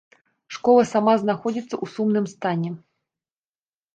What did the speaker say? Школа сама знаходзіцца ў сумным стане.